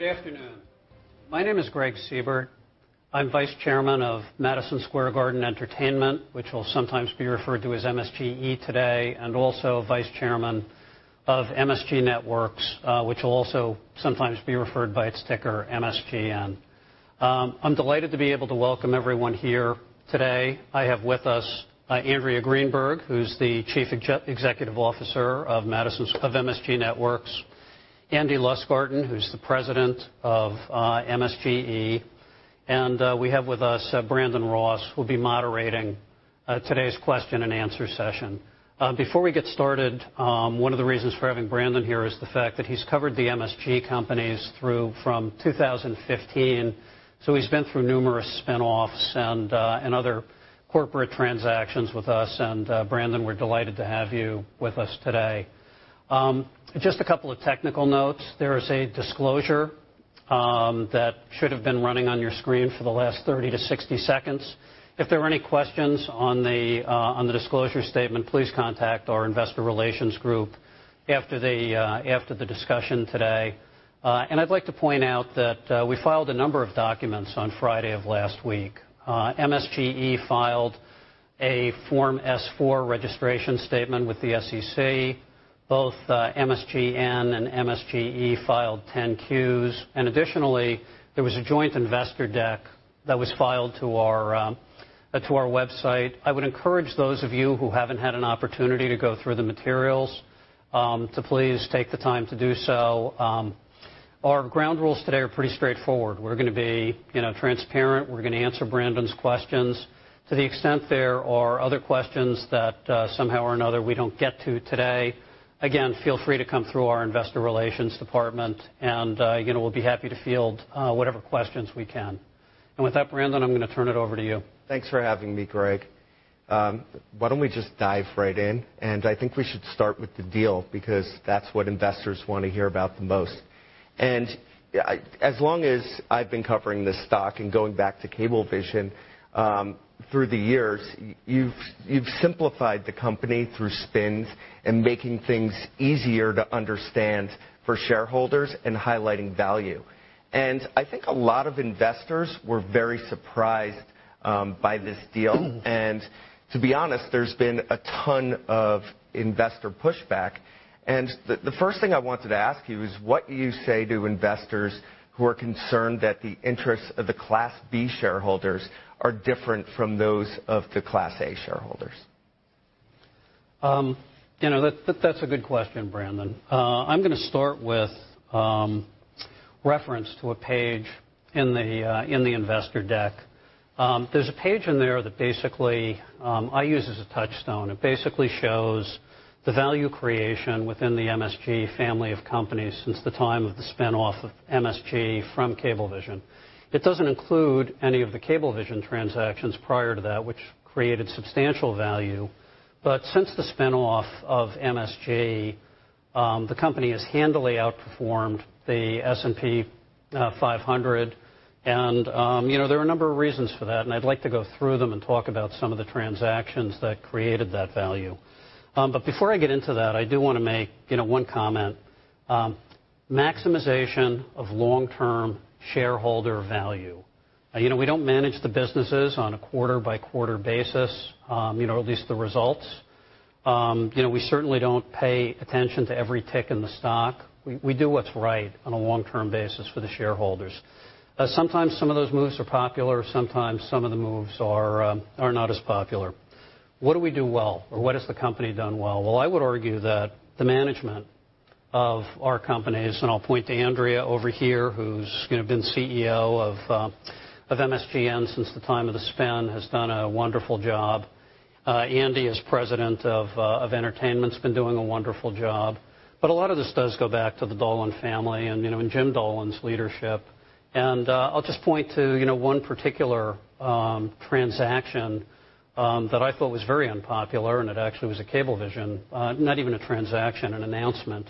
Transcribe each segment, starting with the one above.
Good afternoon. My name is Gregg Seibert. I'm Vice Chairman of Madison Square Garden Entertainment, which will sometimes be referred to as MSGE today, and also Vice Chairman of MSG Networks, which will also sometimes be referred by its ticker MSGN. I'm delighted to be able to welcome everyone here today. I have with us Andrea Greenberg, who's the Chief Executive Officer of MSG Networks, Andy Lustgarten, who's the President of MSGE, and we have with us Brandon Ross, who'll be moderating today's question and answer session. Before we get started, one of the reasons for having Brandon here is the fact that he's covered the MSG companies through from 2015, so he's been through numerous spinoffs and other corporate transactions with us. And Brandon, we're delighted to have you with us today. Just a couple of technical notes. There is a disclosure that should have been running on your screen for the last 30-60 seconds. If there are any questions on the disclosure statement, please contact our Investor Relations Group after the discussion today. And I'd like to point out that we filed a number of documents on Friday of last week. MSGE filed a Form S-4 registration statement with the SEC. Both MSGN and MSGE filed 10-Qs. And additionally, there was a joint investor deck that was filed to our website. I would encourage those of you who haven't had an opportunity to go through the materials to please take the time to do so. Our ground rules today are pretty straightforward. We're going to be transparent. We're going to answer Brandon's questions. To the extent there are other questions that somehow or another we don't get to today, again, feel free to come through our Investor Relations Department, and we'll be happy to field whatever questions we can. And with that, Brandon, I'm going to turn it over to you. Thanks for having me, Gregg. Why don't we just dive right in? And I think we should start with the deal because that's what investors want to hear about the most. And as long as I've been covering this stock and going back to Cablevision through the years, you've simplified the company through spins and making things easier to understand for shareholders and highlighting value. And I think a lot of investors were very surprised by this deal. And to be honest, there's been a ton of investor pushback. And the first thing I wanted to ask you is, what do you say to investors who are concerned that the interests of the Class B shareholders are different from those of the Class A shareholders? You know, that's a good question, Brandon. I'm going to start with reference to a page in the investor deck. There's a page in there that basically I use as a touchstone. It basically shows the value creation within the MSG family of companies since the time of the spinoff of MSG from Cablevision. It doesn't include any of the Cablevision transactions prior to that, which created substantial value, but since the spinoff of MSG, the company has handily outperformed the S&P 500, and, you know, there are a number of reasons for that, and I'd like to go through them and talk about some of the transactions that created that value, but before I get into that, I do want to make one comment: maximization of long-term shareholder value. You know, we don't manage the businesses on a quarter-by-quarter basis, you know, at least the results. You know, we certainly don't pay attention to every tick in the stock. We do what's right on a long-term basis for the shareholders. Sometimes some of those moves are popular. Sometimes some of the moves are not as popular. What do we do well? Or what has the company done well? Well, I would argue that the management of our companies, and I'll point to Andrea over here, who's been CEO of MSGN since the time of the spin, has done a wonderful job. Andy is President of Entertainment, has been doing a wonderful job. But a lot of this does go back to the Dolan family and Jim Dolan's leadership. And I'll just point to one particular transaction that I thought was very unpopular, and it actually was a Cablevision, not even a transaction, an announcement.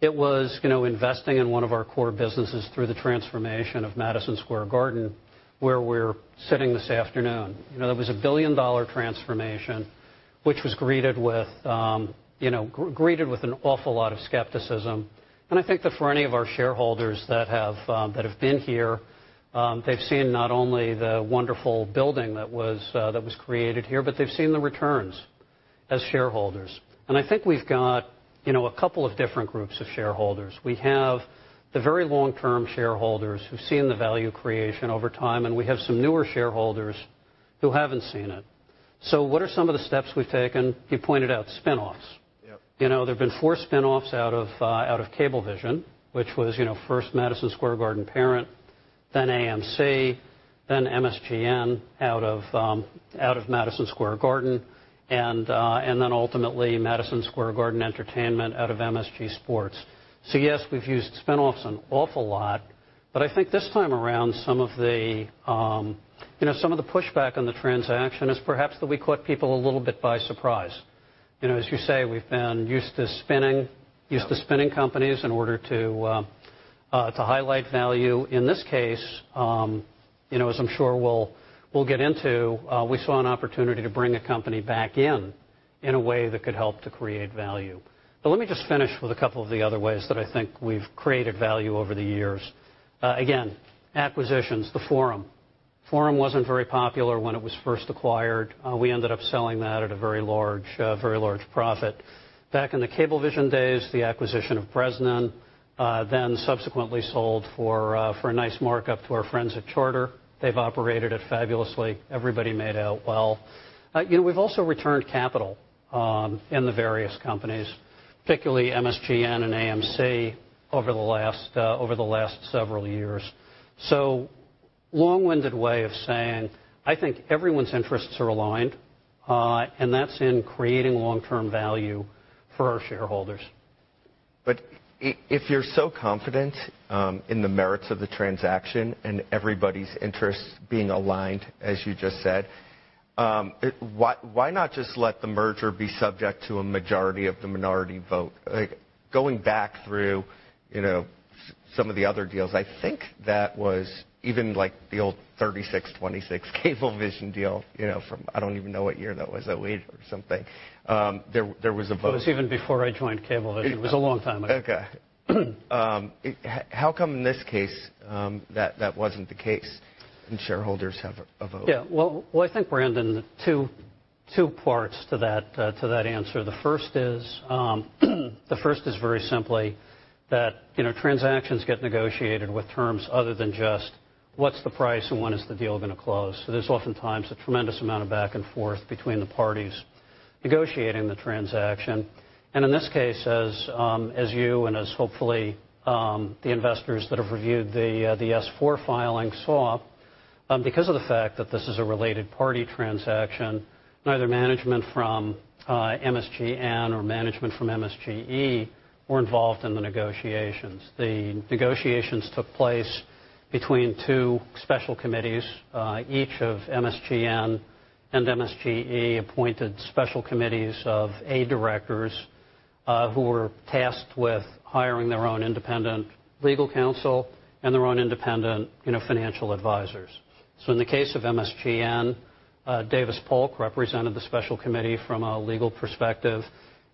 It was investing in one of our core businesses through the transformation of Madison Square Garden, where we're sitting this afternoon. You know, it was a $1 billion transformation, which was greeted with an awful lot of skepticism. And I think that for any of our shareholders that have been here, they've seen not only the wonderful building that was created here, but they've seen the returns as shareholders. And I think we've got a couple of different groups of shareholders. We have the very long-term shareholders who've seen the value creation over time, and we have some newer shareholders who haven't seen it. So what are some of the steps we've taken? You pointed out spinoffs. You know, there have been four spinoffs out of Cablevision, which was first Madison Square Garden Parent, then AMC, then MSGN out of Madison Square Garden, and then ultimately Madison Square Garden Entertainment out of MSG Sports. So yes, we've used spinoffs an awful lot, but I think this time around some of the pushback on the transaction is perhaps that we caught people a little bit by surprise. You know, as you say, we've been used to spinning companies in order to highlight value. In this case, you know, as I'm sure we'll get into, we saw an opportunity to bring a company back in a way that could help to create value. But let me just finish with a couple of the other ways that I think we've created value over the years. Again, acquisitions, the Forum. The Forum wasn't very popular when it was first acquired. We ended up selling that at a very large profit. Back in the Cablevision days, the acquisition of Bresnan, then subsequently sold for a nice markup to our friends at Charter. They've operated it fabulously. Everybody made out well. You know, we've also returned capital in the various companies, particularly MSGN and AMC over the last several years, so long-winded way of saying, I think everyone's interests are aligned, and that's in creating long-term value for our shareholders. But if you're so confident in the merits of the transaction and everybody's interests being aligned, as you just said, why not just let the merger be subject to a majority of the minority vote? Going back through some of the other deals, I think that was even like the old 36.26 Cablevision deal from, I don't even know what year that was, 2008 or something. There was a vote. That was even before I joined Cablevision. It was a long time ago. Okay. How come in this case that wasn't the case and shareholders have a vote? Yeah. Well, I think, Brandon, two parts to that answer. The first is very simply that transactions get negotiated with terms other than just what's the price and when is the deal going to close. So there's oftentimes a tremendous amount of back and forth between the parties negotiating the transaction. And in this case, as you and as hopefully the investors that have reviewed the S-4 filing saw, because of the fact that this is a related party transaction, neither management from MSGN nor management from MSGE were involved in the negotiations. The negotiations took place between two special committees, each of MSGN and MSGE appointed special committees of independent directors who were tasked with hiring their own independent legal counsel and their own independent financial advisors. So in the case of MSGN, Davis Polk represented the special committee from a legal perspective,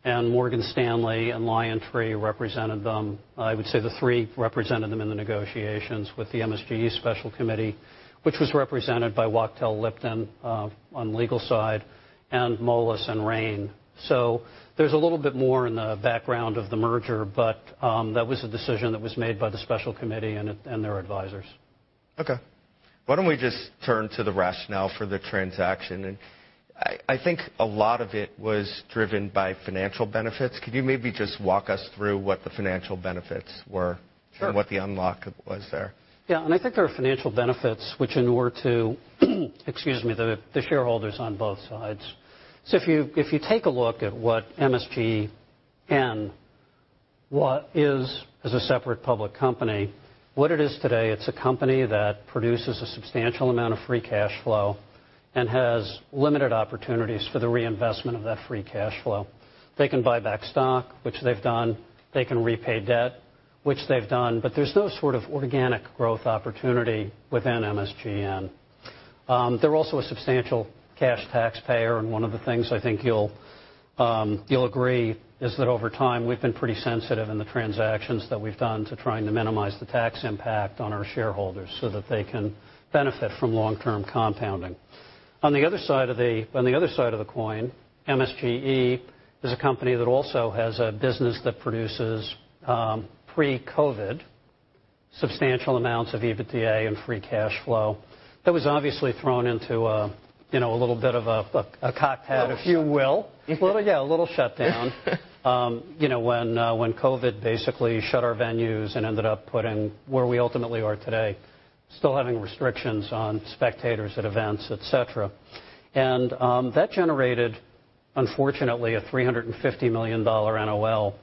and Morgan Stanley and LionTree represented them. I would say the three represented them in the negotiations with the MSGE special committee, which was represented by Wachtell Lipton on the legal side and Moelis and Raine. So there's a little bit more in the background of the merger, but that was a decision that was made by the special committee and their advisors. Okay. Why don't we just turn to the rationale for the transaction, and I think a lot of it was driven by financial benefits. Could you maybe just walk us through what the financial benefits were and what the unlock was there? Yeah. And I think there are financial benefits which, in order to, excuse me, the shareholders on both sides. So if you take a look at what MSGN is as a separate public company, what it is today, it's a company that produces a substantial amount of free cash flow and has limited opportunities for the reinvestment of that free cash flow. They can buy back stock, which they've done. They can repay debt, which they've done. But there's no sort of organic growth opportunity within MSGN. They're also a substantial cash taxpayer. And one of the things I think you'll agree is that over time we've been pretty sensitive in the transactions that we've done to trying to minimize the tax impact on our shareholders so that they can benefit from long-term compounding. On the other side of the coin, MSGE is a company that also has a business that produces pre-COVID substantial amounts of EBITDA and free cash flow that was obviously thrown into a little bit of a hiccup, if you will. Yeah, a little shutdown when COVID basically shut our venues and ended up putting where we ultimately are today, still having restrictions on spectators at events, et cetera, and that generated, unfortunately, a $350 million NOL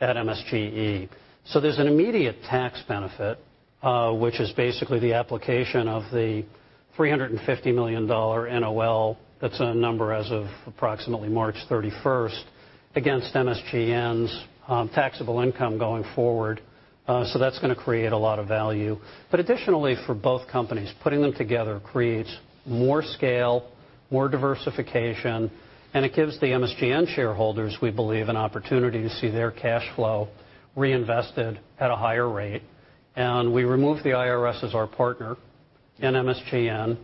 at MSGE, so there's an immediate tax benefit, which is basically the application of the $350 million NOL, that's a number as of approximately March 31st, against MSGN's taxable income going forward, so that's going to create a lot of value. But additionally, for both companies, putting them together creates more scale, more diversification, and it gives the MSGN shareholders, we believe, an opportunity to see their cash flow reinvested at a higher rate. And we removed the IRS as our partner in MSGN.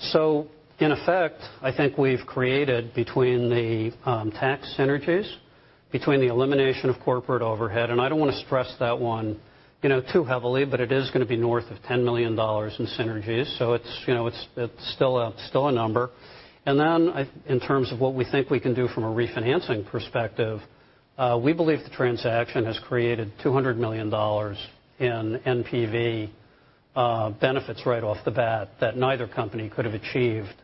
So in effect, I think we've created between the tax synergies, between the elimination of corporate overhead, and I don't want to stress that one too heavily, but it is going to be north of $10 million in synergies. So it's still a number. And then in terms of what we think we can do from a refinancing perspective, we believe the transaction has created $200 million in NPV benefits right off the bat that neither company could have achieved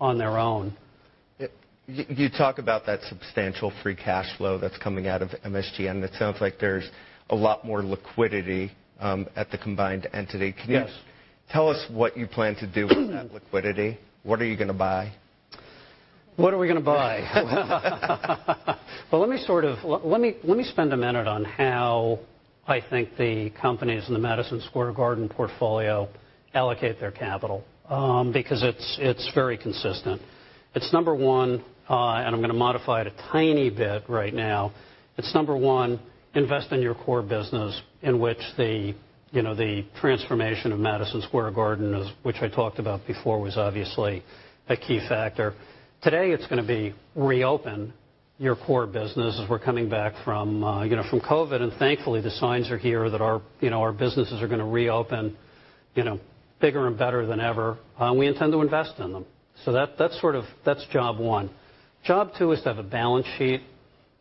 on their own. You talk about that substantial free cash flow that's coming out of MSGN. It sounds like there's a lot more liquidity at the combined entity. Can you tell us what you plan to do with that liquidity? What are you going to buy? What are we going to buy? Well, let me spend a minute on how I think the companies in the Madison Square Garden portfolio allocate their capital because it's very consistent. It's number one, and I'm going to modify it a tiny bit right now. It's number one, invest in your core business, in which the transformation of Madison Square Garden, which I talked about before, was obviously a key factor. Today, it's going to be reopen your core business as we're coming back from COVID, and thankfully, the signs are here that our businesses are going to reopen bigger and better than ever. We intend to invest in them. So that's job one. Job two is to have a balance sheet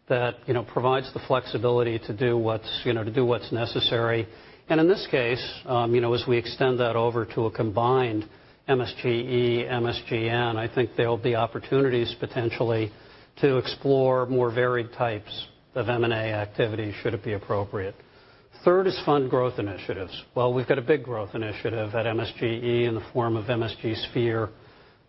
that provides the flexibility to do what's necessary. In this case, as we extend that over to a combined MSGE, MSGN, I think there will be opportunities potentially to explore more varied types of M&A activity should it be appropriate. Third is fund growth initiatives. We've got a big growth initiative at MSGE in the form of MSG Sphere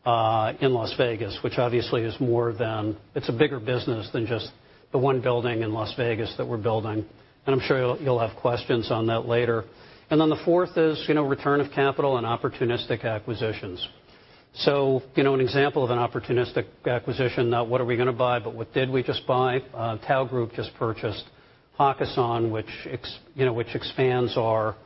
in Las Vegas, which obviously is more than it's a bigger business than just the one building in Las Vegas that we're building. I'm sure you'll have questions on that later. The fourth is return of capital and opportunistic acquisitions. An example of an opportunistic acquisition, not what are we going to buy, but what did we just buy? Tao Group just purchased Hakkasan, which expands our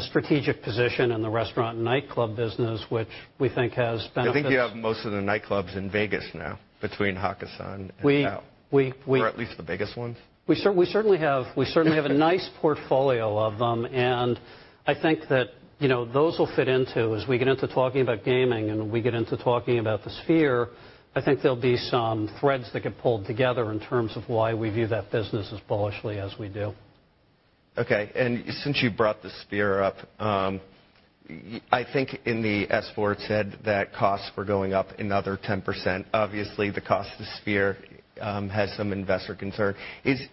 strategic position in the restaurant and nightclub business, which we think has benefits. I think you have most of the nightclubs in Vegas now between Hakkasan and Tao. Or at least the biggest ones. We certainly have a nice portfolio of them, and I think that those will fit into as we get into talking about gaming and we get into talking about the Sphere. I think there'll be some threads that get pulled together in terms of why we view that business as bullishly as we do. Okay. And since you brought the Sphere up, I think in the S-4 said that costs were going up another 10%. Obviously, the cost of the Sphere has some investor concern. Is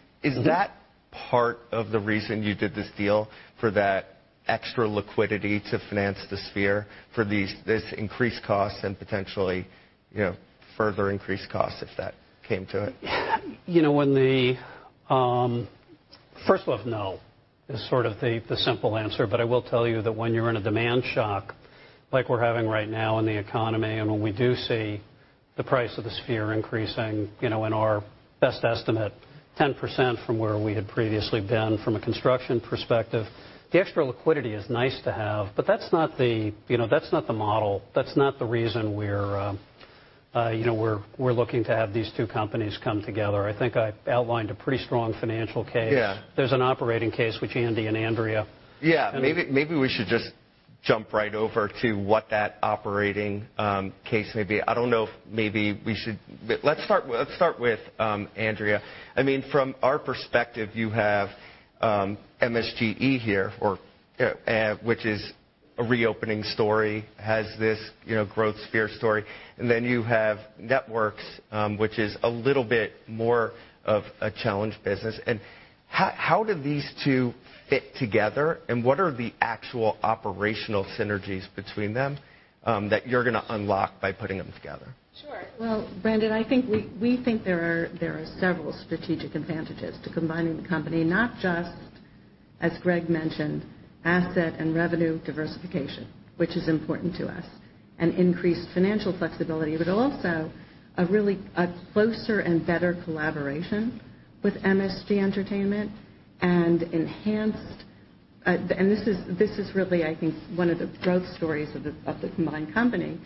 that part of the reason you did this deal for that extra liquidity to finance the Sphere for this increased cost and potentially further increased cost if that came to it? First off, no is sort of the simple answer. But I will tell you that when you're in a demand shock like we're having right now in the economy and when we do see the price of the Sphere increasing in our best estimate 10% from where we had previously been from a construction perspective, the extra liquidity is nice to have, but that's not the model. That's not the reason we're looking to have these two companies come together. I think I outlined a pretty strong financial case. There's an operating case which Andy and Andrea. Yeah. Maybe we should just jump right over to what that operating case may be. I don't know if maybe we should. Let's start with Andrea. I mean, from our perspective, you have MSGE here, which is a reopening story, has this growth Sphere story. And then you have Networks, which is a little bit more of a challenge business. And how do these two fit together? And what are the actual operational synergies between them that you're going to unlock by putting them together? Sure. Well, Brandon, I think we think there are several strategic advantages to combining the company, not just, as Gregg mentioned, asset and revenue diversification, which is important to us, and increased financial flexibility, but also a closer and better collaboration with MSG Entertainment and enhanced, and this is really, I think, one of the growth stories of the combined company,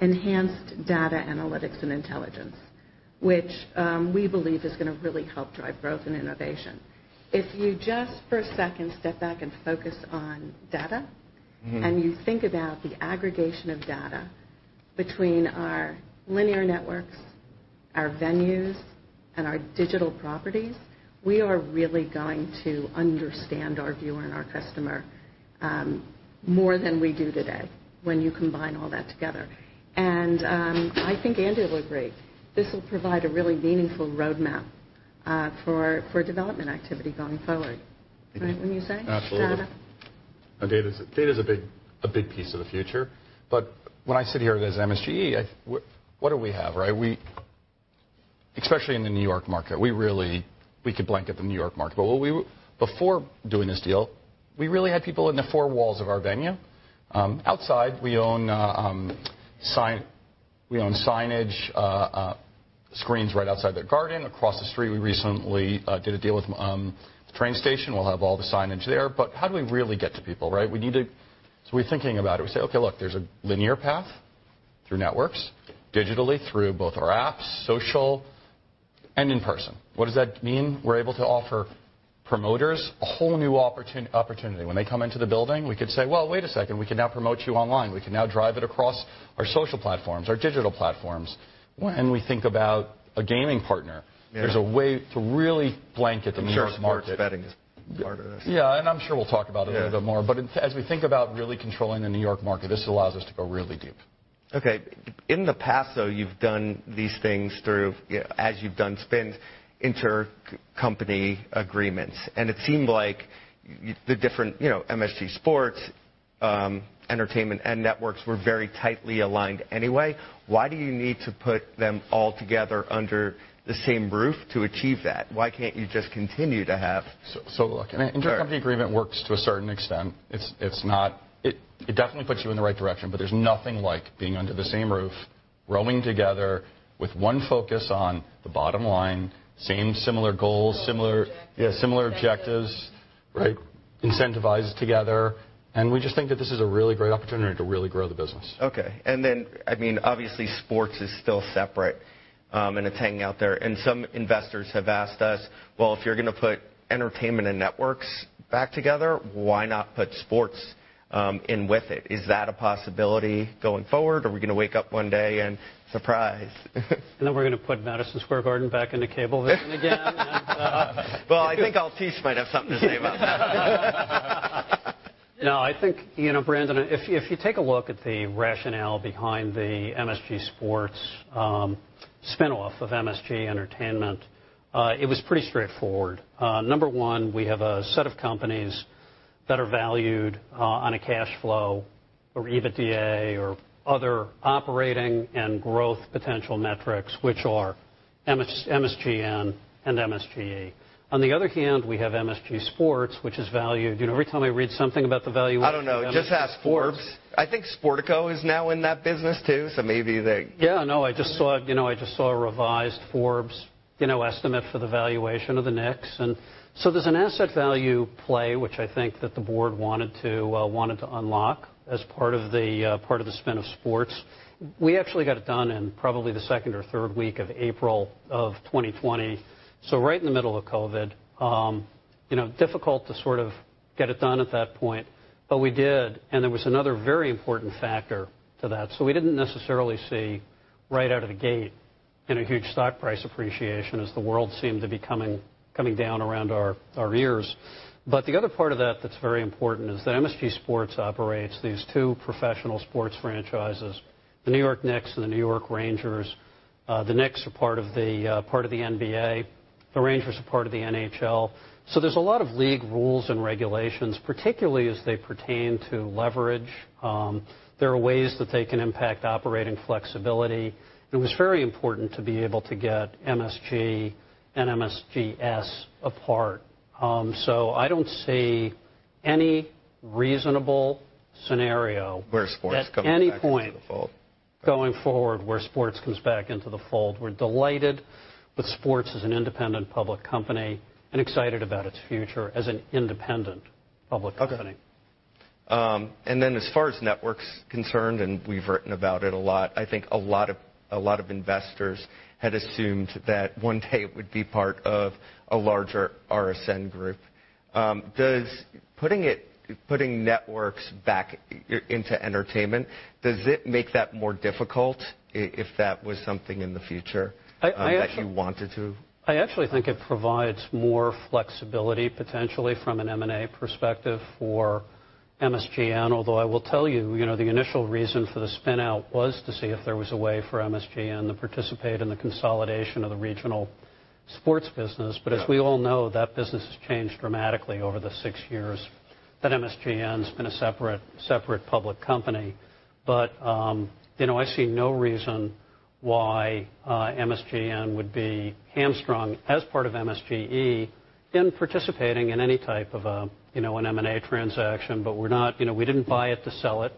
enhanced data analytics and intelligence, which we believe is going to really help drive growth and innovation. If you just for a second step back and focus on data and you think about the aggregation of data between our linear networks, our venues, and our digital properties, we are really going to understand our viewer and our customer more than we do today when you combine all that together. And I think Andy will agree. This will provide a really meaningful roadmap for development activity going forward. Right? What do you say? Absolutely. And data is a big piece of the future. But when I sit here as MSGE, what do we have? Especially in the New York market, we really could blanket the New York market. But before doing this deal, we really had people in the four walls of our venue. Outside, we own signage screens right outside the Garden. Across the street, we recently did a deal with the train station. We'll have all the signage there. But how do we really get to people? So we're thinking about it. We say, "Okay, look, there's a linear path through Networks, digitally, through both our apps, social, and in person." What does that mean? We're able to offer promoters a whole new opportunity. When they come into the building, we could say, "Well, wait a second. We can now promote you online. We can now drive it across our social platforms, our digital platforms." When we think about a gaming partner, there's a way to really blanket the New York market. I'm sure it's betting is part of this. Yeah. And I'm sure we'll talk about it a little bit more. But as we think about really controlling the New York market, this allows us to go really deep. Okay. In the past, though, you've done these things through, as you've done, spins, intercompany agreements. And it seemed like the different MSG Sports, Entertainment, and Networks were very tightly aligned anyway. Why do you need to put them all together under the same roof to achieve that? Why can't you just continue to have? So look, an intercompany agreement works to a certain extent. It definitely puts you in the right direction, but there's nothing like being under the same roof, rowing together with one focus on the bottom line, same similar goals, similar objectives, incentivized together. And we just think that this is a really great opportunity to really grow the business. Okay. And then, I mean, obviously, sports is still separate and it's hanging out there. And some investors have asked us, "Well, if you're going to put entertainment and Networks back together, why not put sports in with it?" Is that a possibility going forward? Are we going to wake up one day and surprise? We're going to put Madison Square Garden back in the Cablevision again. I think Altice might have something to say about that. No, I think, Brandon, if you take a look at the rationale behind the MSG Sports spinoff of MSG Entertainment, it was pretty straightforward. Number one, we have a set of companies that are valued on a cash flow or EBITDA or other operating and growth potential metrics, which are MSGN and MSGE. On the other hand, we have MSG Sports, which is valued. Every time I read something about the valuation. I don't know. Just ask Forbes. I think Sportico is now in that business too. So maybe they. Yeah. No, I just saw a revised Forbes estimate for the valuation of the Knicks. And so there's an asset value play, which I think that the board wanted to unlock as part of the spin of sports. We actually got it done in probably the second or third week of April of 2020. So right in the middle of COVID, difficult to sort of get it done at that point. But we did. And there was another very important factor to that. So we didn't necessarily see right out of the gate in a huge stock price appreciation as the world seemed to be coming down around our ears. But the other part of that that's very important is that MSG Sports operates these two professional sports franchises, the New York Knicks and the New York Rangers. The Knicks are part of the NBA. The Rangers are part of the NHL. So there's a lot of league rules and regulations, particularly as they pertain to leverage. There are ways that they can impact operating flexibility. It was very important to be able to get MSG and MSGS apart. So I don't see any reasonable scenario. Where sports comes back into the fold. At any point going forward where sports comes back into the fold. We're delighted with sports as an independent public company and excited about its future as an independent public company. Okay. And then, as far as Networks concerned, and we've written about it a lot, I think a lot of investors had assumed that one day it would be part of a larger RSN group. Putting Networks back into entertainment, does it make that more difficult if that was something in the future that you wanted to? I actually think it provides more flexibility potentially from an M&A perspective for MSGN. Although I will tell you, the initial reason for the spin-out was to see if there was a way for MSGN to participate in the consolidation of the regional sports business. But as we all know, that business has changed dramatically over the six years that MSGN has been a separate public company. But I see no reason why MSGN would be hamstrung as part of MSGE in participating in any type of an M&A transaction. But we didn't buy it to sell it.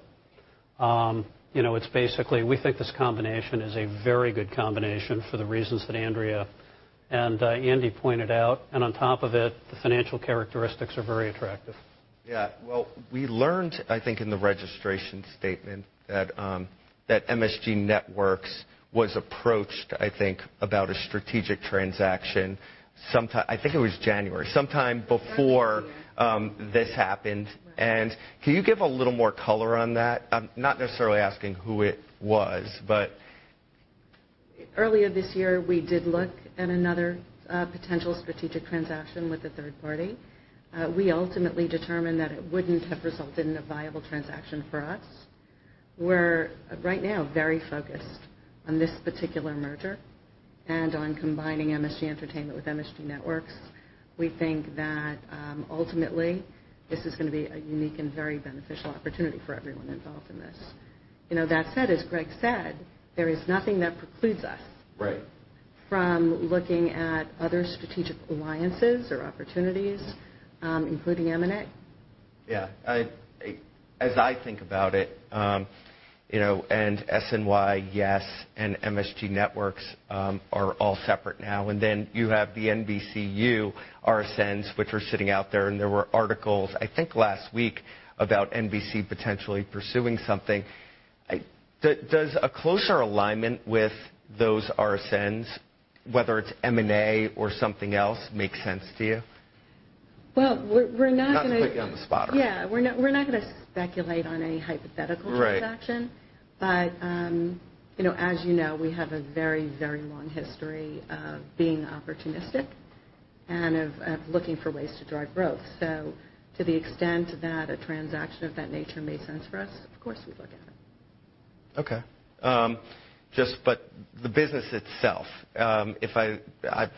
It's basically we think this combination is a very good combination for the reasons that Andrea and Andy pointed out. And on top of it, the financial characteristics are very attractive. Yeah. Well, we learned, I think, in the registration statement that MSG Networks was approached, I think, about a strategic transaction. I think it was January, sometime before this happened. And can you give a little more color on that? I'm not necessarily asking who it was, but. Earlier this year, we did look at another potential strategic transaction with a third party. We ultimately determined that it wouldn't have resulted in a viable transaction for us. We're right now very focused on this particular merger and on combining MSG Entertainment with MSG Networks. We think that ultimately, this is going to be a unique and very beneficial opportunity for everyone involved in this. That said, as Gregg said, there is nothing that precludes us from looking at other strategic alliances or opportunities, including M&A. Yeah. As I think about it, and SNY, yes, and MSG Networks are all separate now. And then you have the NBCU RSNs, which are sitting out there. And there were articles, I think last week, about NBC potentially pursuing something. Does a closer alignment with those RSNs, whether it's M&A or something else, make sense to you? We're not going to. Not picking on the spotter. Yeah. We're not going to speculate on any hypothetical transaction. But as you know, we have a very, very long history of being opportunistic and of looking for ways to drive growth. So to the extent that a transaction of that nature makes sense for us, of course, we look at it. Okay. But the business itself,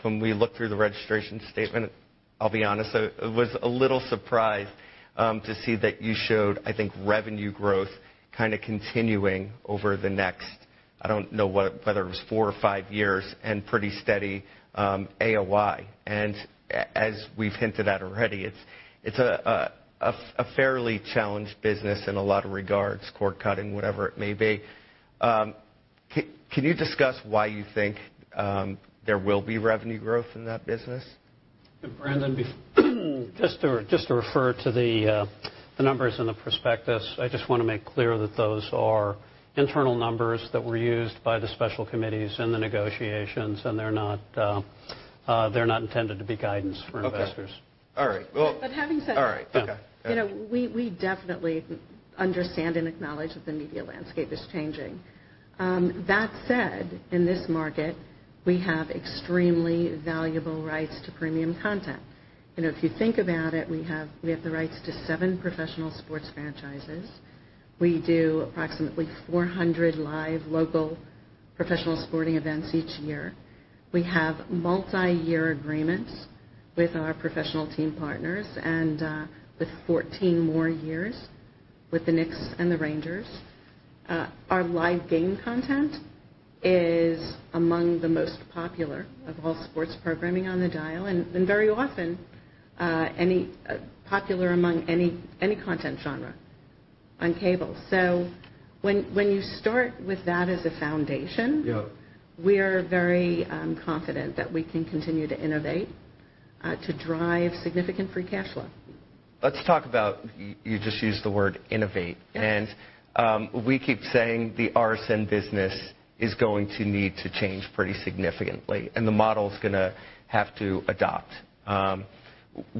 when we looked through the registration statement, I'll be honest, I was a little surprised to see that you showed, I think, revenue growth kind of continuing over the next, I don't know whether it was four or five years and pretty steady AOI. And as we've hinted at already, it's a fairly challenged business in a lot of regards, cord cutting, whatever it may be. Can you discuss why you think there will be revenue growth in that business? Brandon, just to refer to the numbers and the prospectus, I just want to make clear that those are internal numbers that were used by the special committees in the negotiations, and they're not intended to be guidance for investors. Okay. All right. Well. But having said that. All right. Okay. We definitely understand and acknowledge that the media landscape is changing. That said, in this market, we have extremely valuable rights to premium content. If you think about it, we have the rights to seven professional sports franchises. We do approximately 400 live local professional sporting events each year. We have multi-year agreements with our professional team partners and with 14 more years with the Knicks and the Rangers. Our live game content is among the most popular of all sports programming on the dial and very often popular among any content genre on cable. So when you start with that as a foundation, we are very confident that we can continue to innovate to drive significant free cash flow. Let's talk about. You just used the word innovate. We keep saying the RSN business is going to need to change pretty significantly, and the model is going to have to adapt.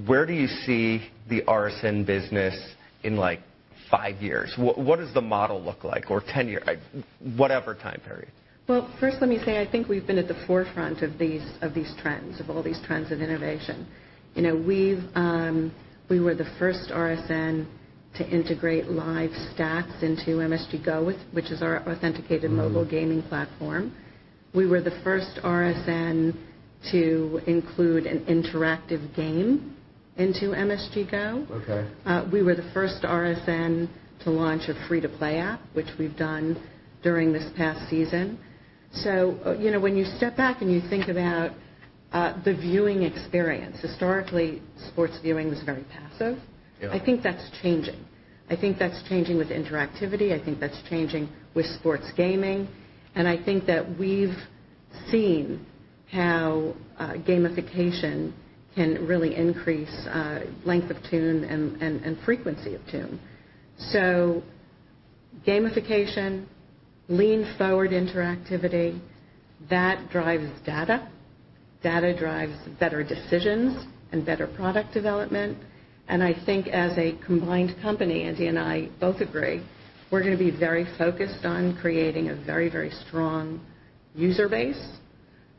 Where do you see the RSN business in like five years? What does the model look like or whatever time period? First, let me say I think we've been at the forefront of these trends, of all these trends of innovation. We were the first RSN to integrate live stats into MSG Go, which is our authenticated mobile gaming platform. We were the first RSN to include an interactive game into MSG Go. We were the first RSN to launch a free-to-play app, which we've done during this past season. So when you step back and you think about the viewing experience, historically, sports viewing was very passive. I think that's changing. I think that's changing with interactivity. I think that's changing with sports gaming. And I think that we've seen how gamification can really increase length of tune and frequency of tune. So gamification, lean forward interactivity, that drives data. Data drives better decisions and better product development. And I think as a combined company, Andy and I both agree, we're going to be very focused on creating a very, very strong user base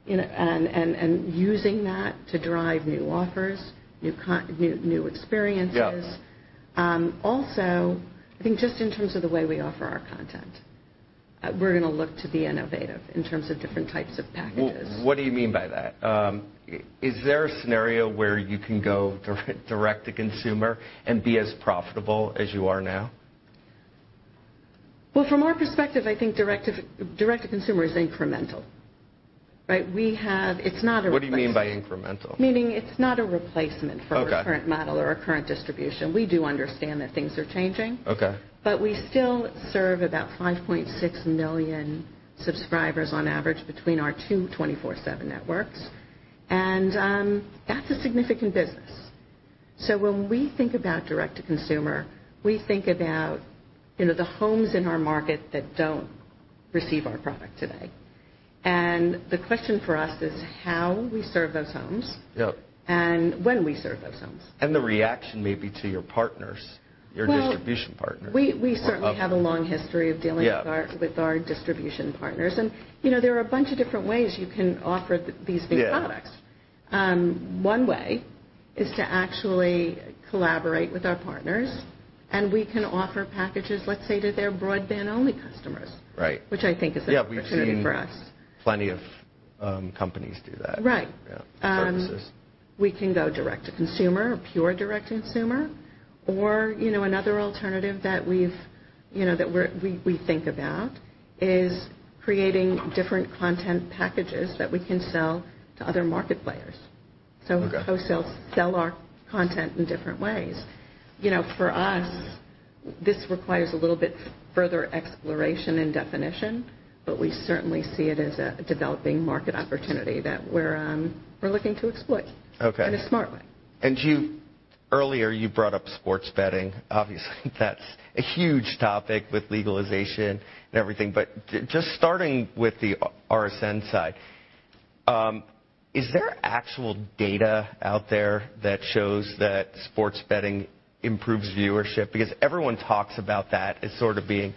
and using that to drive new offers, new experiences. Also, I think just in terms of the way we offer our content, we're going to look to be innovative in terms of different types of packages. What do you mean by that? Is there a scenario where you can go direct to consumer and be as profitable as you are now? Well, from our perspective, I think direct to consumer is incremental. It's not a replacement. What do you mean by incremental? Meaning it's not a replacement for our current model or our current distribution. We do understand that things are changing, but we still serve about 5.6 million subscribers on average between our two 24/7 networks, and that's a significant business. So when we think about direct to consumer, we think about the homes in our market that don't receive our product today, and the question for us is how we serve those homes and when we serve those homes. The reaction may be to your partners, your distribution partners. We certainly have a long history of dealing with our distribution partners, and there are a bunch of different ways you can offer these new products. One way is to actually collaborate with our partners, and we can offer packages, let's say, to their broadband-only customers, which I think is an opportunity for us. Yeah. We've seen plenty of companies do that for purposes. Right. We can go direct to consumer or pure direct to consumer. Or another alternative that we think about is creating different content packages that we can sell to other market players. So we co-sell our content in different ways. For us, this requires a little bit further exploration and definition, but we certainly see it as a developing market opportunity that we're looking to exploit in a smart way. And earlier, you brought up sports betting. Obviously, that's a huge topic with legalization and everything. But just starting with the RSN side, is there actual data out there that shows that sports betting improves viewership? Because everyone talks about that as sort of being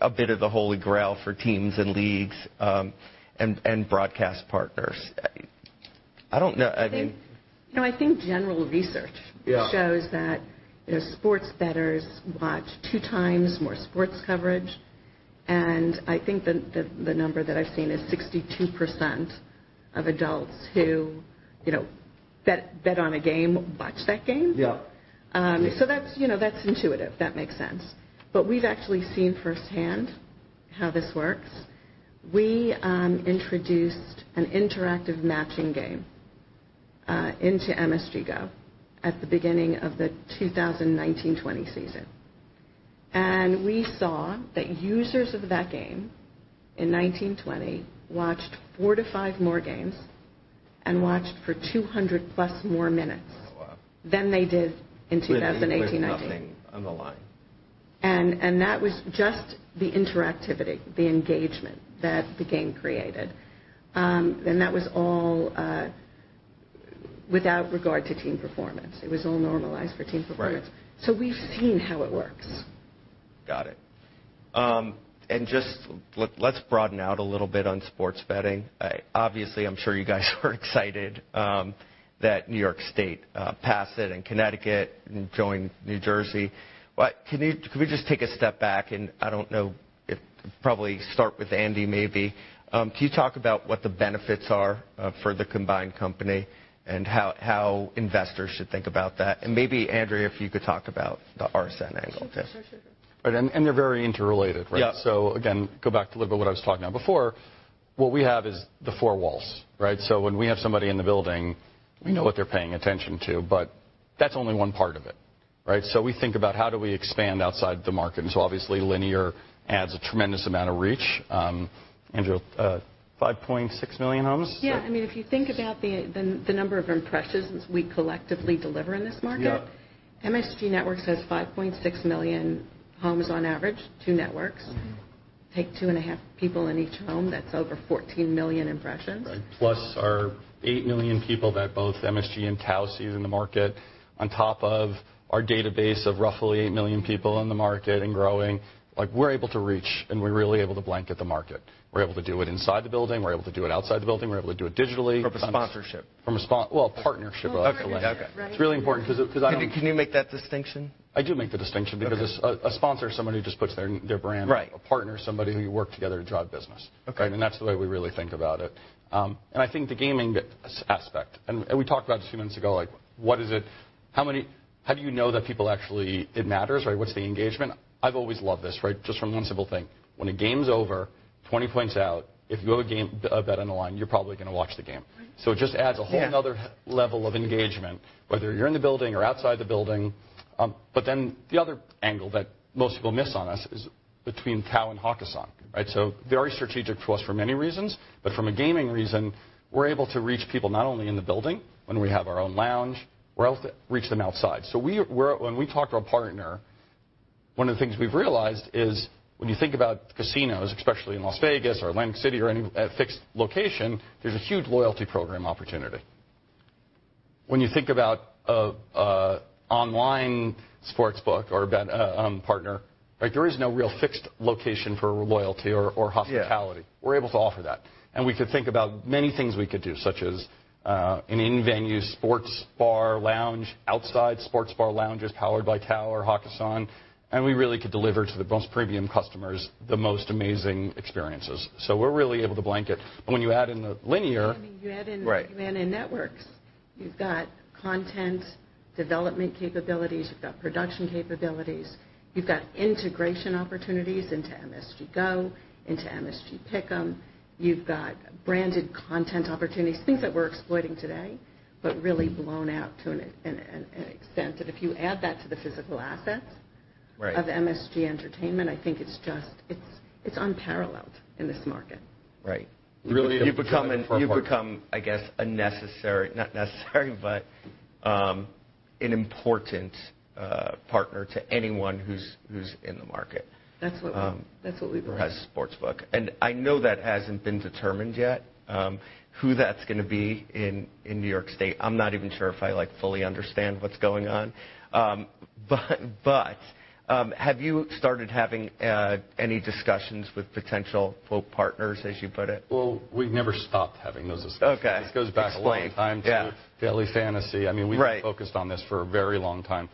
a bit of the holy grail for teams and leagues and broadcast partners. I mean. I think general research shows that sports bettors watch two times more sports coverage. And I think the number that I've seen is 62% of adults who bet on a game watch that game. So that's intuitive. That makes sense. But we've actually seen firsthand how this works. We introduced an interactive matching game into MSG Go at the beginning of the 2019-20 season. And we saw that users of that game in 19-20 watched four to five more games and watched for 200-plus more minutes than they did in 2018-19. There was nothing on the line. And that was just the interactivity, the engagement that the game created. And that was all without regard to team performance. It was all normalized for team performance. So we've seen how it works. Got it. And just let's broaden out a little bit on sports betting. Obviously, I'm sure you guys are excited that New York State passed it and Connecticut joined New Jersey. But can we just take a step back? And I don't know if probably start with Andy, maybe. Can you talk about what the benefits are for the combined company and how investors should think about that? And maybe, Andrea, if you could talk about the RSN angle. Sure. And they're very interrelated, right? So again, go back to a little bit of what I was talking about before. What we have is the four walls, right? So when we have somebody in the building, we know what they're paying attention to, but that's only one part of it, right? So we think about how do we expand outside the market. And so obviously, linear adds a tremendous amount of reach. Andrea, 5.6 million homes? Yeah. I mean, if you think about the number of impressions we collectively deliver in this market, MSG Networks has 5.6 million homes on average, two networks. Take two and a half people in each home. That's over 14 million impressions. Right. Plus our eight million people that both MSG and Tao see in the market, on top of our database of roughly eight million people in the market and growing, we're able to reach, and we're really able to blanket the market. We're able to do it inside the building. We're able to do it outside the building. We're able to do it digitally. From a sponsorship. From a sponsor, partnership, rather than a link. It's really important because I. Can you make that distinction? I do make the distinction because a sponsor is somebody who just puts their brand. A partner is somebody who you work together to drive business, right? And that's the way we really think about it. And I think the gaming aspect, and we talked about it a few minutes ago, like how do you know that people actually it matters, right? What's the engagement? I've always loved this, right? Just from one simple thing. When a game's over, 20 points out, if you have a bet on the line, you're probably going to watch the game. So it just adds a whole nother level of engagement, whether you're in the building or outside the building. But then the other angle that most people miss on us is between Tao and Hakkasan, right? So very strategic to us for many reasons, but from a gaming reason, we're able to reach people not only in the building when we have our own lounge. We're able to reach them outside. So when we talk to our partner, one of the things we've realized is when you think about casinos, especially in Las Vegas or Atlantic City or any fixed location, there's a huge loyalty program opportunity. When you think about an online sports book or a bet partner, there is no real fixed location for loyalty or hospitality. We're able to offer that. And we could think about many things we could do, such as an in-venue sports bar lounge, outside sports bar lounges powered by Tao or Hakkasan, and we really could deliver to the most premium customers the most amazing experiences. So we're really able to blanket. But when you add in the linear. I mean, you add in networks. You've got content development capabilities. You've got production capabilities. You've got integration opportunities into MSG Go, into MSG Pick 'Em. You've got branded content opportunities, things that we're exploiting today, but really blown out to an extent that if you add that to the physical assets of MSG Entertainment, I think it's unparalleled in this market. Right. You've become, I guess, a necessary not necessary, but an important partner to anyone who's in the market. That's what we believe. Who has a sportsbook? And I know that hasn't been determined yet who that's going to be in New York State. I'm not even sure if I fully understand what's going on. But have you started having any discussions with potential, quote, partners, as you put it? We've never stopped having those discussions. This goes back a long time to Daily Fantasy. I mean, we've focused on this for a very long time.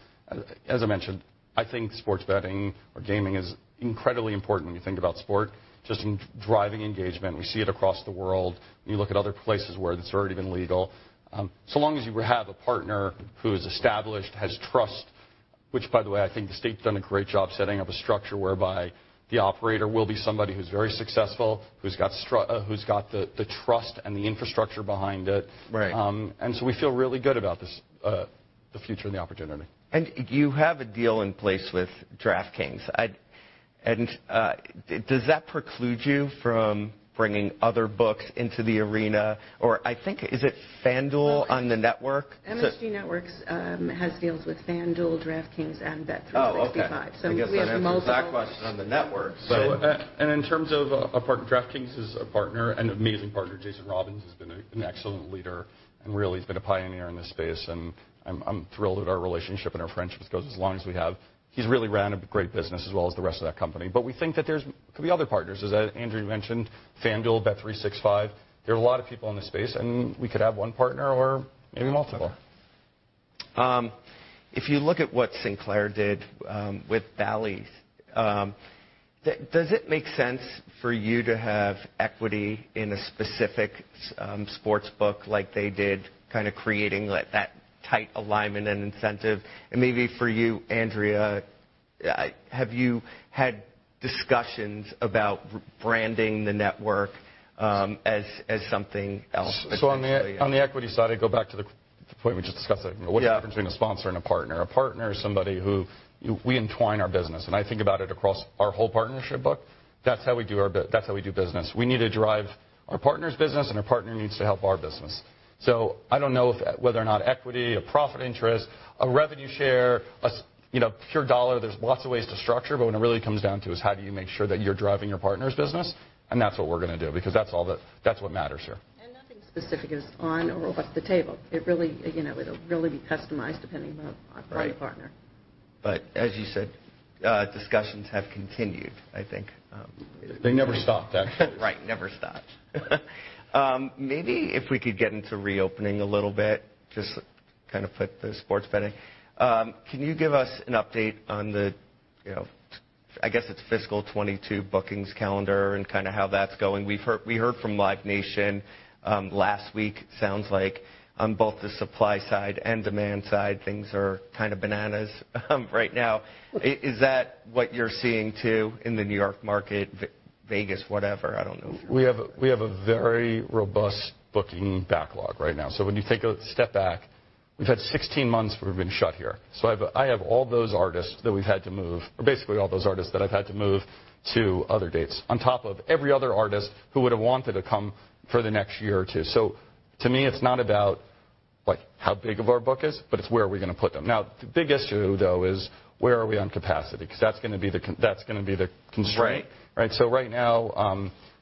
As I mentioned, I think sports betting or gaming is incredibly important when you think about sports, just in driving engagement. We see it across the world. When you look at other places where it's already been legal, so long as you have a partner who is established, has trust, which, by the way, I think the state's done a great job setting up a structure whereby the operator will be somebody who's very successful, who's got the trust and the infrastructure behind it. And so we feel really good about the future and the opportunity. And you have a deal in place with DraftKings. And does that preclude you from bringing other books into the arena? Or, I think, is it FanDuel on the network? MSG Networks has deals with FanDuel, DraftKings, and Bet365, so we have multiple. Oh, okay. So that's not on the network, so. In terms of a partner, DraftKings is a partner, an amazing partner. Jason Robins has been an excellent leader and really has been a pioneer in this space. I'm thrilled that our relationship and our friendship goes as long as we have. He's really ran a great business as well as the rest of that company. We think that there could be other partners, as Andrea mentioned, FanDuel, Bet365. There are a lot of people in this space, and we could have one partner or maybe multiple. If you look at what Sinclair did with Bally's, does it make sense for you to have equity in a specific sports book like they did, kind of creating that tight alignment and incentive? And maybe for you, Andrea, have you had discussions about branding the network as something else? So on the equity side, I go back to the point we just discussed. What's the difference between a sponsor and a partner? A partner is somebody who we entwine our business. And I think about it across our whole partnership book. That's how we do business. We need to drive our partner's business, and our partner needs to help our business. So I don't know whether or not equity, a profit interest, a revenue share, a pure dollar. There's lots of ways to structure. But when it really comes down to is how do you make sure that you're driving your partner's business? And that's what we're going to do because that's what matters here. Nothing specific is on or over the table. It'll really be customized depending on the partner. But as you said, discussions have continued, I think. They never stop, actually. Right. Never stop. Maybe if we could get into reopening a little bit, just kind of put the sports betting. Can you give us an update on the, I guess it's fiscal 2022 bookings calendar and kind of how that's going? We heard from Live Nation last week, sounds like, on both the supply side and demand side, things are kind of bananas right now. Is that what you're seeing too in the New York market, Vegas, whatever? I don't know. We have a very robust booking backlog right now. So when you take a step back, we've had 16 months where we've been shut here. So I have all those artists that we've had to move, or basically all those artists that I've had to move to other dates, on top of every other artist who would have wanted to come for the next year or two. So to me, it's not about how big of our book is, but it's where are we going to put them? Now, the big issue, though, is where are we on capacity? Because that's going to be the constraint, right? So right now,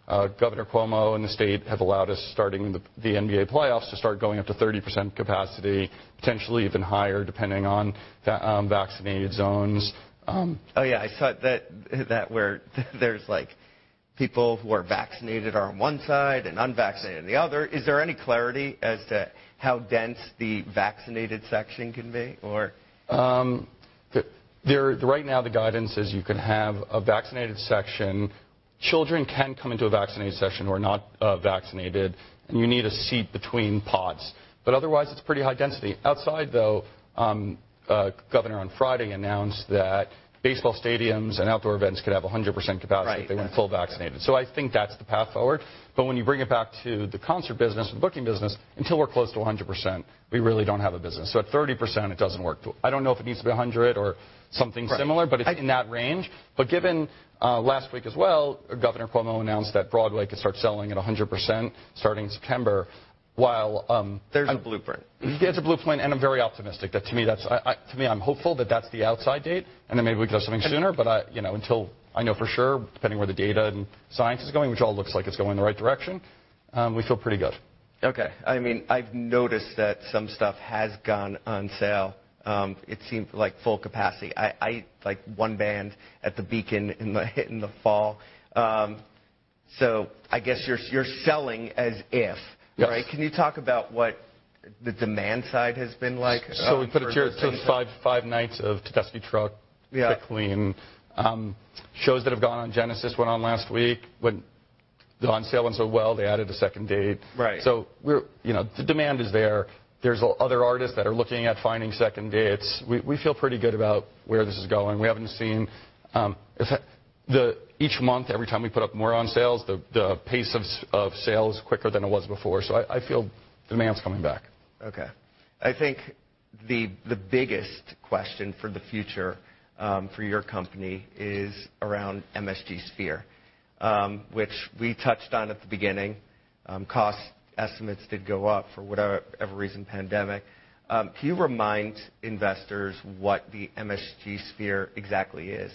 Governor Cuomo and the state have allowed us, starting the NBA playoffs, to start going up to 30% capacity, potentially even higher, depending on vaccinated zones. Oh, yeah. I thought that where there's people who are vaccinated are on one side and unvaccinated on the other. Is there any clarity as to how dense the vaccinated section can be, or? Right now, the guidance is you can have a vaccinated section. Children can come into a vaccinated section who are not vaccinated, and you need a seat between pods. But otherwise, it's pretty high density. Outside, though, Governor on Friday announced that baseball stadiums and outdoor events could have 100% capacity if they weren't fully vaccinated. So I think that's the path forward. But when you bring it back to the concert business and booking business, until we're close to 100%, we really don't have a business. So at 30%, it doesn't work. I don't know if it needs to be 100 or something similar, but it's in that range. But given last week as well, Governor Cuomo announced that Broadway could start selling at 100% starting September, while there's a blueprint. There's a blueprint, and I'm very optimistic that to me, I'm hopeful that that's the outside date, and then maybe we can have something sooner. But until I know for sure, depending where the data and science is going, which all looks like it's going in the right direction, we feel pretty good. Okay. I mean, I've noticed that some stuff has gone on sale. It seemed like full capacity. I like one band at the Beacon in the fall. So I guess you're selling as if, right? Can you talk about what the demand side has been like? We put a tier of five nights of Tedeschi Trucks clean shows that have gone on. Genesis went on last week. When they're on sale so well, they added a second date. So the demand is there. There are other artists that are looking at finding second dates. We feel pretty good about where this is going. We have seen each month, every time we put more on sale, the pace of sales is quicker than it was before. So I feel demand's coming back. Okay. I think the biggest question for the future for your company is around MSG Sphere, which we touched on at the beginning. Cost estimates did go up for whatever reason, pandemic. Can you remind investors what the MSG Sphere exactly is?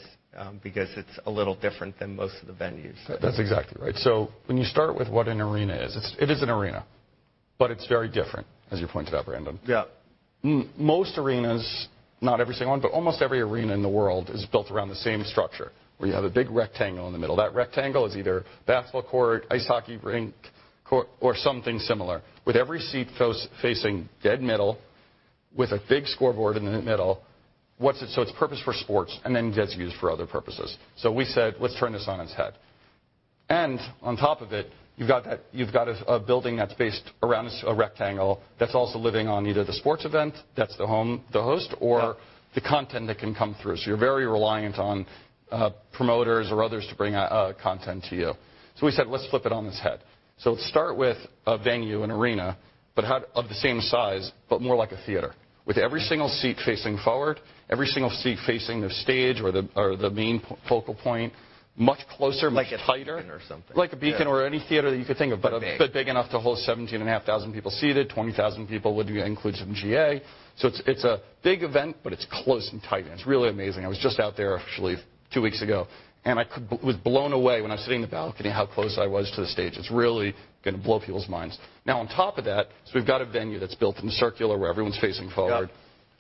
Because it's a little different than most of the venues. That's exactly right. So when you start with what an arena is, it is an arena, but it's very different, as you pointed out, Brandon. Yeah. Most arenas, not every single one, but almost every arena in the world is built around the same structure where you have a big rectangle in the middle. That rectangle is either a basketball court, ice hockey rink, or something similar, with every seat facing dead middle with a big scoreboard in the middle. So it's purpose for sports, and then it gets used for other purposes. So we said, "Let's turn this on its head." And on top of it, you've got a building that's based around a rectangle that's also living on either the sports event that's the host or the content that can come through. So you're very reliant on promoters or others to bring content to you. So we said, "Let's flip it on its head." So let's start with a venue, an arena, but of the same size, but more like a theater, with every single seat facing forward, every single seat facing the stage or the main focal point, much closer, much tighter. Like a Beacon or something. Like a Beacon or any theater that you could think of, but big enough to hold 17,500 people seated, 20,000 people would include some GA. So it's a big event, but it's close and tight. And it's really amazing. I was just out there, actually, two weeks ago, and I was blown away when I was sitting in the balcony how close I was to the stage. It's really going to blow people's minds. Now, on top of that, so we've got a venue that's built in a circular where everyone's facing forward.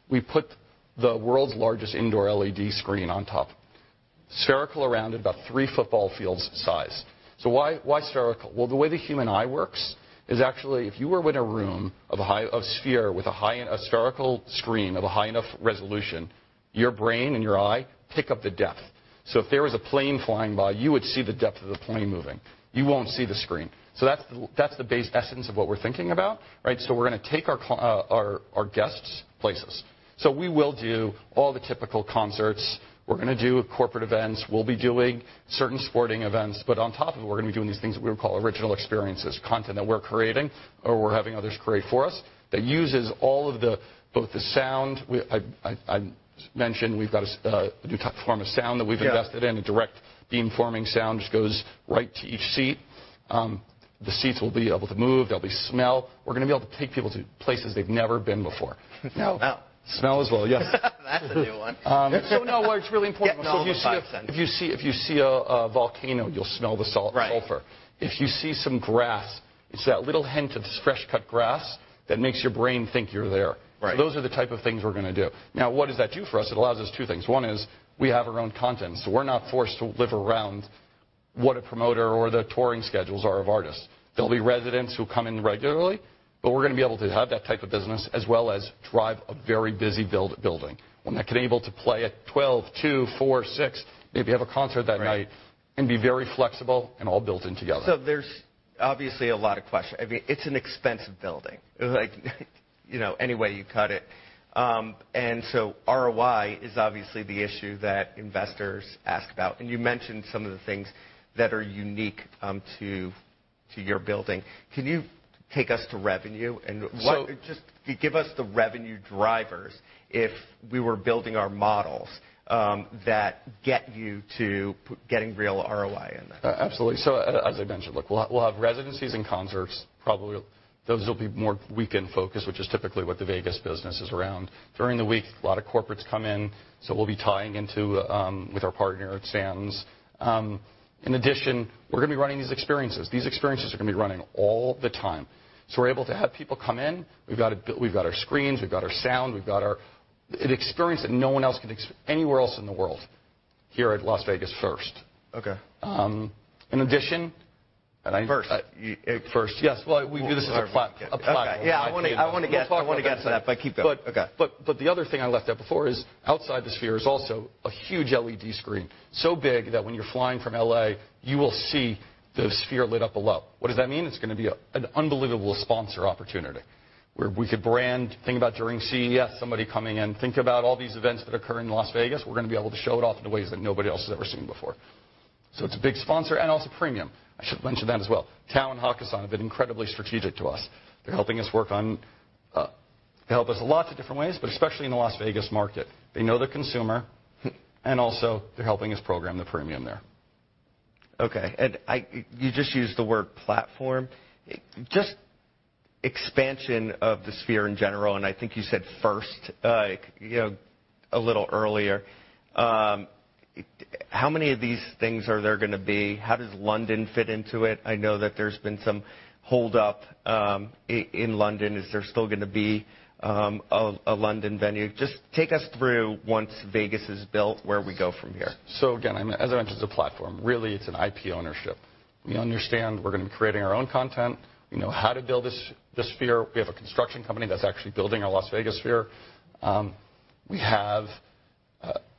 We put the world's largest indoor LED screen on top, spherical, around about three football fields size. So why spherical? Well, the way the human eye works is actually if you were in a room of a Sphere with a spherical screen of a high enough resolution, your brain and your eye pick up the depth. If there was a plane flying by, you would see the depth of the plane moving. You won't see the screen. That's the basic essence of what we're thinking about, right? We're going to take our guests' places. We will do all the typical concerts. We're going to do corporate events. We'll be doing certain sporting events. But on top of it, we're going to be doing these things that we would call original experiences, content that we're creating or we're having others create for us that uses all of both the sound. I mentioned we've got a new form of sound that we've invested in, a direct beamforming sound which goes right to each seat. The seats will be able to move. There'll be smell. We're going to be able to take people to places they've never been before. Now, smell as well, yes. That's a new one. So now, it's really important with all this pop-ups. If you see a volcano, you'll smell the sulfur. If you see some grass, it's that little hint of fresh-cut grass that makes your brain think you're there. So those are the type of things we're going to do. Now, what does that do for us? It allows us two things. One is we have our own content. So we're not forced to live around what a promoter or the touring schedules are of artists. There'll be residents who come in regularly, but we're going to be able to have that type of business as well as drive a very busy building. One that can be able to play at 12, two, four, six, maybe have a concert that night, and be very flexible and all built in together. So there's obviously a lot of questions. I mean, it's an expensive building, any way you cut it. And so ROI is obviously the issue that investors ask about. And you mentioned some of the things that are unique to your building. Can you take us to revenue and just give us the revenue drivers if we were building our models that get you to getting real ROI in that? Absolutely. So as I mentioned, we'll have residencies and concerts. Probably those will be more weekend focus, which is typically what the Vegas business is around. During the week, a lot of corporates come in. So we'll be tying into with our partner, Sands. In addition, we're going to be running these experiences. These experiences are going to be running all the time. So we're able to have people come in. We've got our screens. We've got our sound. We've got an experience that no one else can anywhere else in the world here at Las Vegas first. In addition. First. First, yes, well, we do this as a platform. Yeah. I want to get to that, but keep going. But the other thing I left out before is outside the Sphere is also a huge LED screen, so big that when you're flying from LA, you will see the Sphere lit up below. What does that mean? It's going to be an unbelievable sponsor opportunity where we could brand. Think about during CES, somebody coming in. Think about all these events that occur in Las Vegas. We're going to be able to show it off in ways that nobody else has ever seen before. So it's a big sponsor and also premium. I should mention that as well. Tao and Hakkasan have been incredibly strategic to us. They're helping us work on. They help us a lot in different ways, but especially in the Las Vegas market. They know the consumer, and also they're helping us program the premium there. Okay. And you just used the word platform. Just expansion of the Sphere in general, and I think you said first a little earlier. How many of these things are there going to be? How does London fit into it? I know that there's been some hold-up in London. Is there still going to be a London venue? Just take us through once Vegas is built, where we go from here. So again, as I mentioned, it's a platform. Really, it's an IP ownership. We understand we're going to be creating our own content, how to build the Sphere. We have a construction company that's actually building our Las Vegas Sphere. We have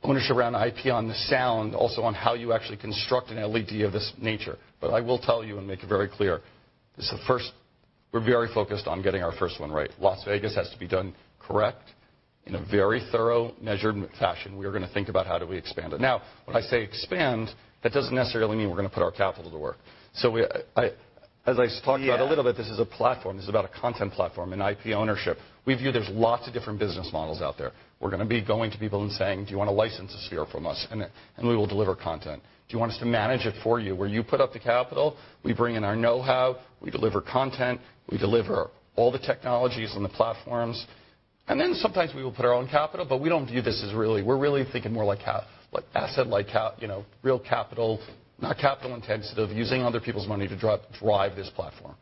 ownership around IP on the sound, also on how you actually construct an LED of this nature. But I will tell you and make it very clear, we're very focused on getting our first one right. Las Vegas has to be done correct in a very thorough, measured fashion. We're going to think about how do we expand it. Now, when I say expand, that doesn't necessarily mean we're going to put our capital to work. So as I talked about a little bit, this is a platform. This is about a content platform and IP ownership. We view there's lots of different business models out there. We're going to be going to people and saying, "Do you want to license a Sphere from us?" We will deliver content. "Do you want us to manage it for you, where you put up the capital? We bring in our know-how. We deliver content. We deliver all the technologies and the platforms." Then sometimes we will put our own capital, but we don't view this as really. We're really thinking more like asset-light real capital, not capital-intensive, using other people's money to drive this platform.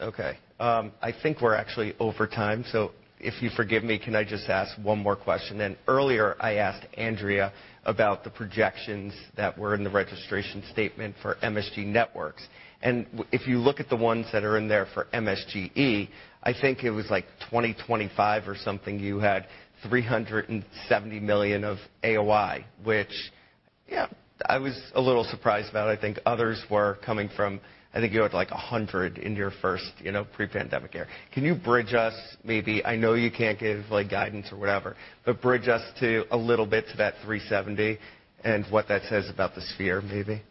Okay. I think we're actually over time. So if you forgive me, can I just ask one more question? And earlier, I asked Andrea about the projections that were in the registration statement for MSG Networks. And if you look at the ones that are in there for MSGE, I think it was like 2025 or something, you had $370 million of AOI, which, yeah, I was a little surprised about. I think others were coming from, I think you had like $100 million in your first pre-pandemic year. Can you bridge us maybe? I know you can't give guidance or whatever, but bridge us to a little bit to that $370 million and what that says about the Sphere, maybe.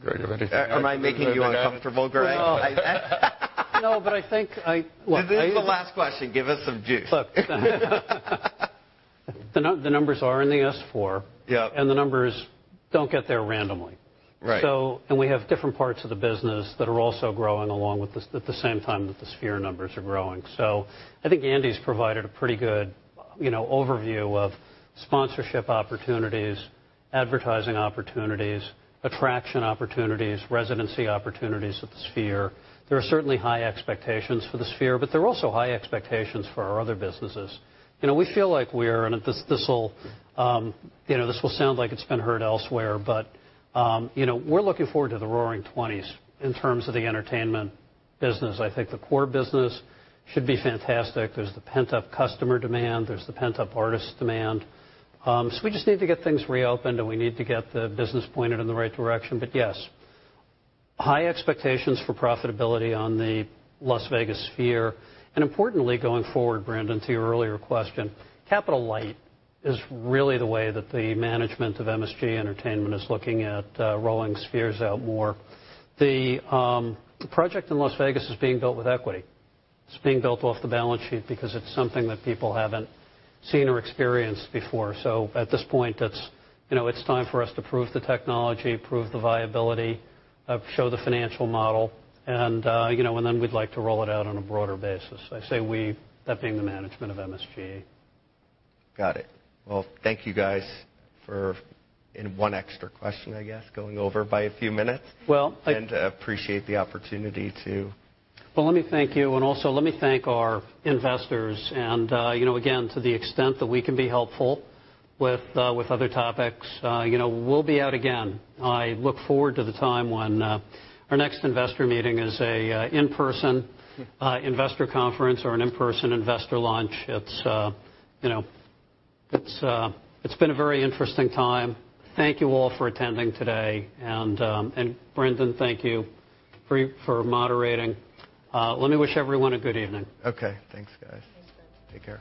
Gregg, I'm ready. Am I making you uncomfortable, Gregg? No, but I think. This is the last question. Give us some juice. Look, the numbers are in the S-4, and the numbers don't get there randomly. And we have different parts of the business that are also growing along with at the same time that the Sphere numbers are growing. So I think Andy's provided a pretty good overview of sponsorship opportunities, advertising opportunities, attraction opportunities, residency opportunities at the Sphere. There are certainly high expectations for the Sphere, but there are also high expectations for our other businesses. We feel like we're in this whole this will sound like it's been heard elsewhere, but we're looking forward to the roaring 2020s in terms of the entertainment business. I think the core business should be fantastic. There's the pent-up customer demand. There's the pent-up artist demand. So we just need to get things reopened, and we need to get the business pointed in the right direction. But yes, high expectations for profitability on the Las Vegas Sphere. And importantly, going forward, Brandon, to your earlier question, capital-light is really the way that the management of MSG Entertainment is looking at rolling Spheres out more. The project in Las Vegas is being built with equity. It's being built off the balance sheet because it's something that people haven't seen or experienced before. So at this point, it's time for us to prove the technology, prove the viability, show the financial model, and then we'd like to roll it out on a broader basis. I say we, that being the management of MSG. Got it. Thank you guys for, in one extra question, I guess, going over by a few minutes. I appreciate the opportunity to. Well, let me thank you. And also, let me thank our investors. And again, to the extent that we can be helpful with other topics, we'll be out again. I look forward to the time when our next investor meeting is an in-person investor conference or an in-person investor lunch. It's been a very interesting time. Thank you all for attending today. And Brandon, thank you for moderating. Let me wish everyone a good evening. Okay. Thanks, guys. Take care.